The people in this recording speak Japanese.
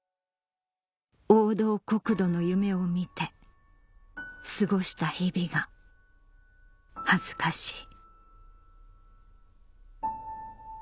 王道国土の夢を見て過ごした日々が恥ずかしい」